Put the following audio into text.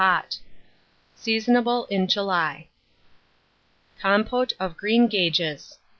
pot. Seasonable in July. COMPOTE OF GREENGAGES.